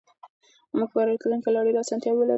موږ به په راتلونکي کې لا ډېرې اسانتیاوې ولرو.